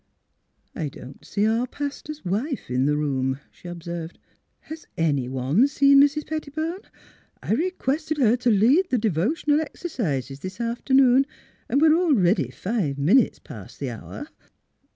'' I don't see our pastor's wife in the room," she observed. " Has ani/one seen Mrs. Petti bone? I requested her to lead the d'votional ex ercises this afternoon, and we are already five minutes past the hour."